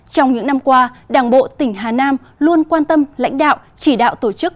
trong những năm qua đảng bộ tỉnh hà nam luôn quan tâm lãnh đạo chỉ đạo tổ chức